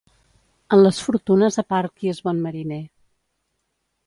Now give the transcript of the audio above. En les fortunes apar qui és bon mariner.